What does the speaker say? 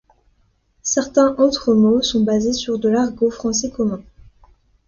Certains autres mots sont basés sur de l'argot français commun.